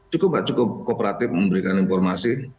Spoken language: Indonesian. cukup pak cukup kooperatif memberikan informasi